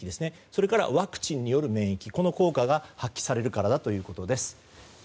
それからワクチンによる免疫の効果が発揮されるからだということです。